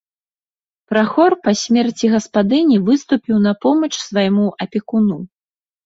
Прахор па смерці гаспадыні выступіў на помач свайму апекуну.